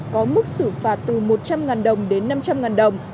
có mức xử phạt từ một trăm linh đồng đến năm trăm linh đồng